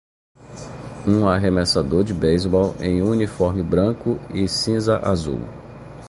Um arremessador de beisebol em um uniforme branco e cinza azul.